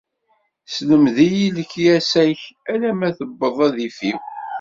Slemd-iyi lekyasa-k alamma tebbweḍ adif-iw.